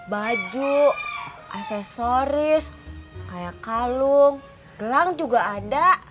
baju aksesoris kayak kalung gelang juga ada